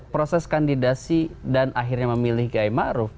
proses kandidasi dan akhirnya memilih kiai maruf